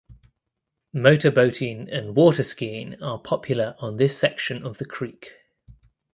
Motor boating and waterskiing are popular on this section of the creek.